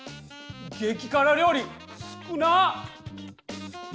激辛料理少なっ！